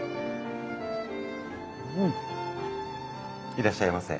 いらっしゃいませ。